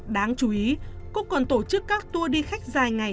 đáng chú ý cúc còn tổ chức các tour đi khách dài ngày